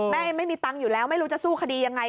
ไม่มีตังค์อยู่แล้วไม่รู้จะสู้คดียังไง